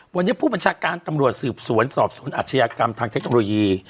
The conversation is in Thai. วันนี้ผู้บัญชาการตำรวจสืบสวนสอบสวนอาชญากรรมทางเทคโนโลยี